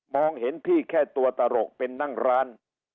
เห็นพี่แค่ตัวตลกเป็นนั่งร้าน